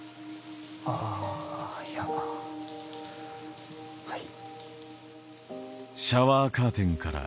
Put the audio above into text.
あいやはい。